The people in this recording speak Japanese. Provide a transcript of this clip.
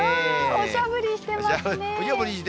おしゃぶりしてますの。